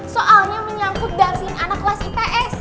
soalnya menyangkut dapin anak kelas ips